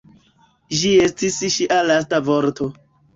Ĝi estis ŝia lasta vorto.